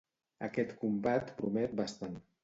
Aquest combat promet bastant.